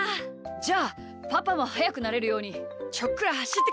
じゃあパパもはやくなれるようにちょっくらはしってくるか。